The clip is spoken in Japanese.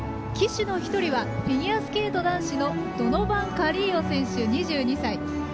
旗手の１人はフィギュアスケート男子のドノバン・カリーヨ選手、２２歳。